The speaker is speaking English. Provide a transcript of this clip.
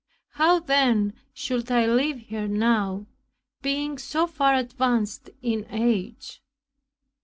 How, then, should I leave her now, being so far advanced in age?